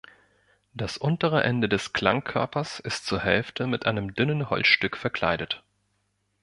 Das untere Ende des Klangkörpers ist zur Hälfte mit einem dünnen Holzstück verkleidet.